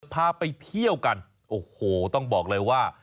พาไปเที่ยวกันโอ้โหต้องบอกเลยว่า